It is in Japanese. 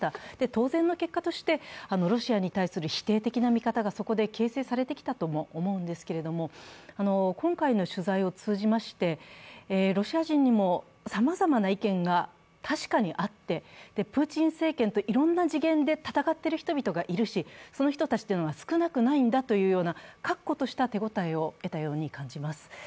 当然の結果として、ロシアに対する否定的な見方がそこで形成されてきたとも思うんですけれども、今回の取材を通じまして、ロシア人にもさまざまな意見が確かにあって、プーチン政権といろんな次元で戦っている人々がいるし、その人たちは少なくないんだというような確固とした手応えを得たように感じます。